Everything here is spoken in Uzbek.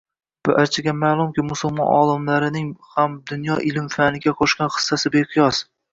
Barcha maʼlumki, musulmon olimlarining ham dunyo ilm faniga qoʻshgan xissasi beqiyos.